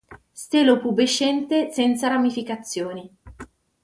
Stelo pubescente senza ramificazioni.